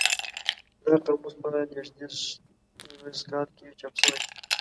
دا قاموس په لېږدیز لمریز کال کې چاپ شوی دی.